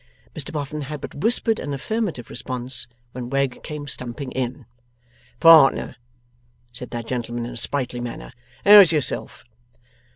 Mr Boffin had but whispered an affirmative response, when Wegg came stumping in. 'Partner,' said that gentleman in a sprightly manner, 'how's yourself?